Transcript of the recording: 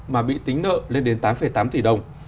mà bị tính nợ lên đến tám tám tỷ đồng